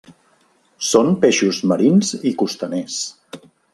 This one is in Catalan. Són peixos marins i costaners.